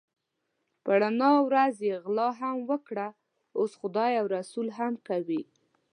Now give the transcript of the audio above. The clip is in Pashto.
په رڼا ورځ یې غلا هم وکړه اوس خدای او رسول هم کوي.